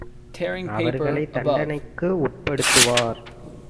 அவர்களைத் தண்டனைக்கு உட்படுத்துவர்.